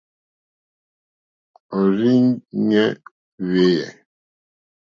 Òrzìɲɔ́ hwɛ̂.